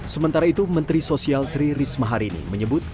sementara itu menteri sosial tri risma hari ini menyebut